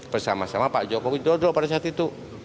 bersama sama pak joko widodo pada saat itu